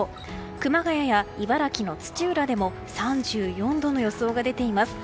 熊谷や茨城の土浦でも３４度の予想が出ています。